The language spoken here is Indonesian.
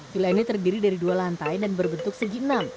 villa ini terdiri dari dua lantai dan berbentuk segi enam